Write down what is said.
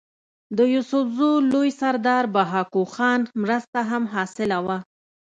د يوسفزو لوئ سردار بهاکو خان مرسته هم حاصله وه